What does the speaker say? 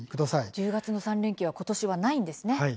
１０月の３連休ことしはないんですね。